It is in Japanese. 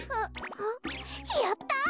あっやった。